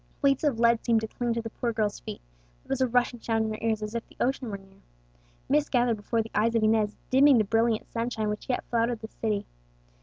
Weights of lead seemed to cling to the poor girl's feet, there was a rushing sound in her ears as if the ocean were near. Mist gathered before the eyes of Inez, dimming the brilliant sunshine which yet flooded the city.